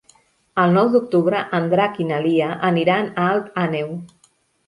El nou d'octubre en Drac i na Lia aniran a Alt Àneu.